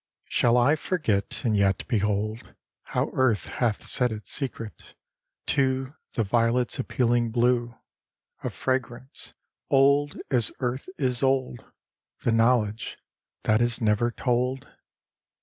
_ I Shall I forget, and yet behold How Earth hath said its secret, to The violet's appealing blue, Of fragrance; old as Earth is old, The knowledge that is never told?